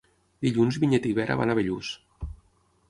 Dilluns na Vinyet i na Vera van a Bellús.